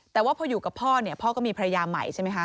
แต่ว่าพออยู่กับพ่อเนี่ยพ่อก็มีพระยามัยใช่มั้ยคะ